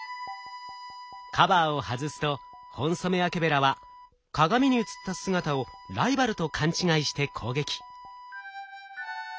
カバーを外すとホンソメワケベラは鏡に映った姿をライバルと勘違いして攻撃。